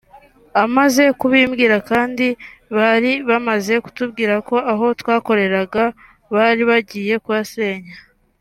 Amaze kubimbwira kandi bari bamaze kutubwira ko aho twakoreraga bari bagiye kuhasenya